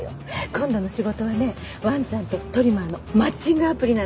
今度の仕事はねわんちゃんとトリマーのマッチングアプリなの。